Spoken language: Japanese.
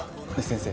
先生